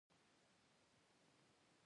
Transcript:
د غونډې فضا سخته عاطفي او احساساتي وه.